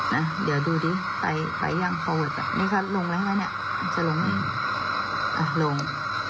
น่ะเดี๋ยวดูดิไปไปยังนี่ค่ะลงแล้วไหมเนี้ยจะลงอีกอ่ะลง